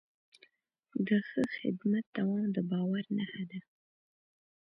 د ښه خدمت دوام د باور نښه ده.